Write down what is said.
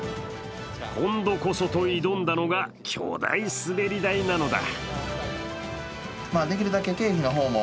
今度こそと挑んだのが巨大滑り台なのだ。